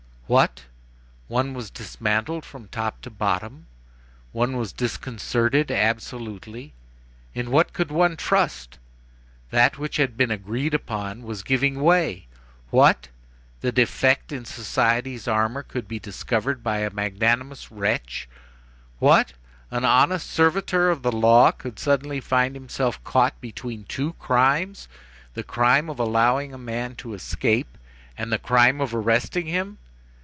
What! one was dismantled from top to bottom! one was disconcerted, absolutely! In what could one trust! That which had been agreed upon was giving way! What! the defect in society's armor could be discovered by a magnanimous wretch! What! an honest servitor of the law could suddenly find himself caught between two crimes—the crime of allowing a man to escape and the crime of arresting him!